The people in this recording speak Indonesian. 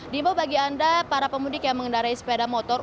dibawa bagi anda para pemudik yang mengendarai sepeda motor